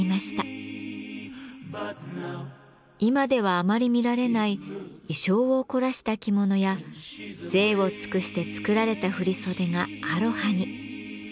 今ではあまり見られない意匠を凝らした着物や贅を尽くして作られた振り袖がアロハに。